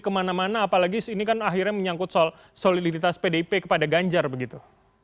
kemana mana apalagi ini kan akhirnya menyangkut soal soliditas pdip kepada ganjar begitu